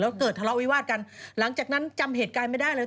แล้วเกิดทะเลาะวิวาสกันหลังจากนั้นจำเหตุการณ์ไม่ได้เลย